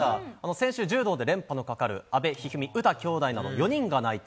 先週、柔道で連覇のかかる阿部一二三、詩きょうだいなど、４人が内定。